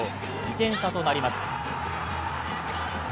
２点差となります。